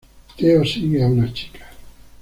Theo sigue a una chica.